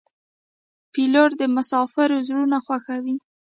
پیلوټ د مسافرو زړونه خوښوي.